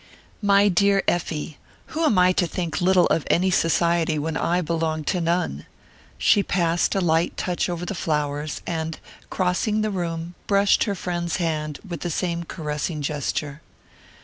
"My dear Effie, who am I to think little of any society, when I belong to none?" She passed a last light touch over the flowers, and crossing the room, brushed her friend's hand with the same caressing gesture.